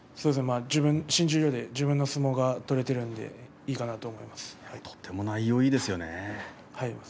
新十両で自分の相撲が取れているのでいいかなと思いとても内容いいですよね。